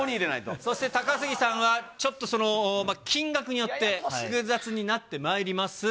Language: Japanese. そして高杉さんは、ちょっとその、金額によって複雑になってまいります。